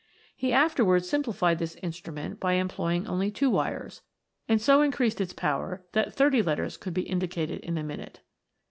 He afterwards simplified this instru ment by employing only two wires, and so increased its power that thirty letters could be indicated in a minute.